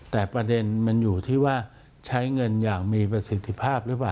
แต่ประเด็นมันอยู่ที่ว่าใช้เงินอย่างมีประสิทธิภาพหรือเปล่า